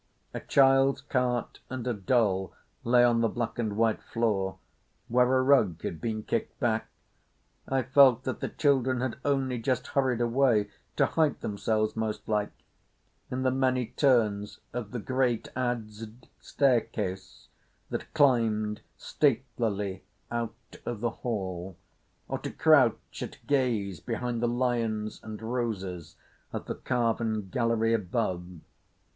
A child's cart and a doll lay on the black and white floor, where a rug had been kicked back. I felt that the children had only just hurried away—to hide themselves, most like—in the many turns of the great adzed staircase that climbed statelily out of the hall, or to crouch at gaze behind the lions and roses of the carven gallery above.